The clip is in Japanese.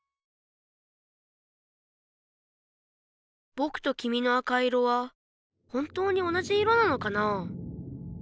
ぼくときみの赤色は本当に同じ色なのかなあ？